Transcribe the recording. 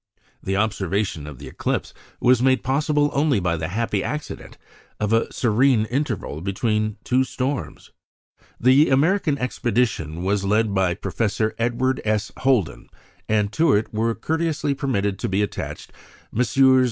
The observation of the eclipse was made possible only by the happy accident of a serene interval between two storms. The American expedition was led by Professor Edward S. Holden, and to it were courteously permitted to be attached Messrs.